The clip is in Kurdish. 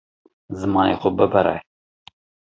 Zimanê xwe bibire.